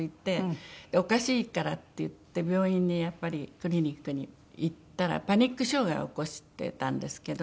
おかしいからっていって病院にやっぱりクリニックに行ったらパニック障害を起こしてたんですけど。